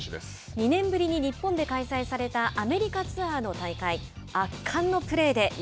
２年ぶりに日本で開催されたアメリカツアーの大会。